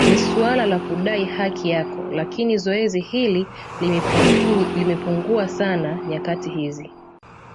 Ni suala la kudai haki yao lakini zoezi hili limepungua sana nyakati hizi